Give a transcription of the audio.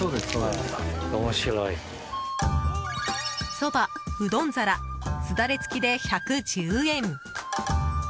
そば・うどん皿すだれ付きで１１０円。